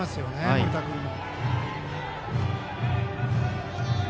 盛田君も。